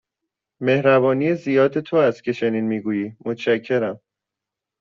مهربانی زیاد تو است که چنین می گویی، متشکرم.